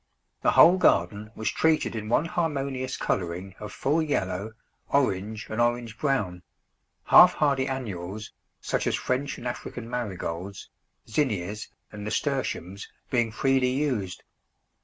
The whole garden was treated in one harmonious colouring of full yellow, orange, and orange brown; half hardy annuals, such as French and African Marigolds, Zinnias, and Nasturtiums, being freely used.